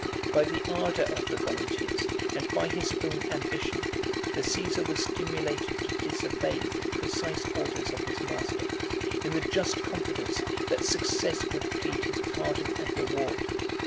By the ardor of the volunteers, and by his own ambition, the Cæsar was stimulated to disobey the precise orders of his master, in the just confidence that success would plead his pardon and reward.